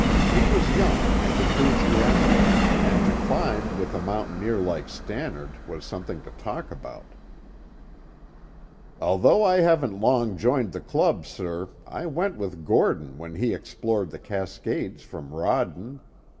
He was young and enthusiastic, and to climb with a mountaineer like Stannard was something to talk about. "Although I haven't long joined the club, sir, I went with Gordon when he explored the Cascades from Rawden.